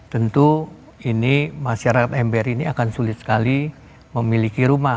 tentu ini masyarakat ember ini akan sulit sekali memiliki rumah